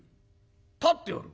立っておる？